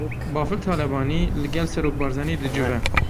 Bafil Talebanî li gel Serok Barzanî dicive.